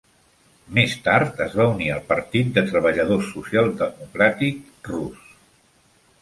Més tard, es va unir al partit de treballadors social-democràtic rus.